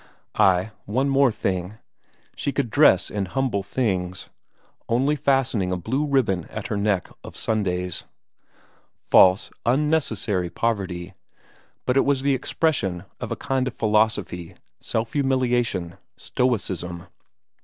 Ay, one thing more; she could dress in humble things, only fastening a blue ribbon at her neck of Sundays. False, unnecessary poverty but it was the expression of a kind of philosophy, self humiliation, stoicism.